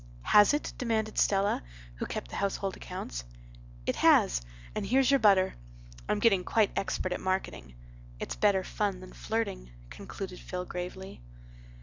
"Has it?" demanded Stella, who kept the household accounts. "It has—and here's your butter. I'm getting quite expert at marketing. It's better fun than flirting," concluded Phil gravely.